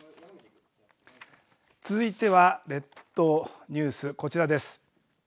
続いては列島ニュース、こちらです。